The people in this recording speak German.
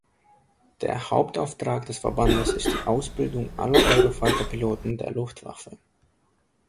Der Hauptauftrag des Verbandes ist die Ausbildung aller Eurofighter-Piloten der Luftwaffe.